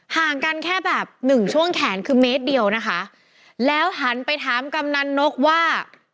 ห่างกันแค่แบบหนึ่งช่วงแขนคือเมตรเดียวนะคะแล้วหันไปถามกำนันนกว่า